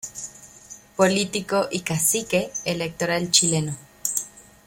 Político y "cacique" electoral chileno.